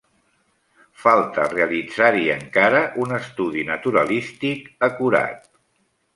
Falta realitzar-hi encara un estudi naturalístic acurat.